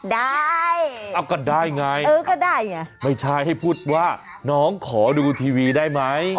ได้เอ้าก็ได้ไงไม่ใช่ให้พูดว่าน้องขอดูทีวีได้ไหม